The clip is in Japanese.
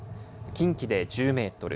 近畿で１０メートル